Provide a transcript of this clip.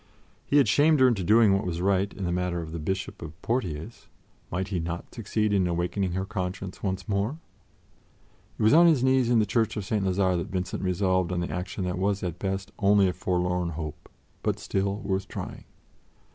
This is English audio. He had shamed her into doing what was right in the matter of the Bishop of Poitiers. Might he not succeed in awakening her conscience once more? It was on his knees in the Church of St. Lazare that Vincent resolved on the action that was at best only a forlorn hope, but still worth trying.